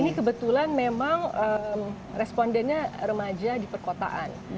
ini kebetulan memang respondennya remaja di perkotaan